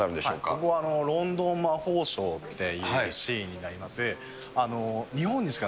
ここはロンドン魔法省っていうシーンになります。